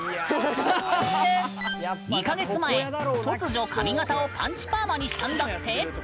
２か月前突如、髪形をパンチパーマにしたんだって。